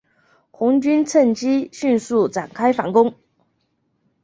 红军乘机迅速展开反攻。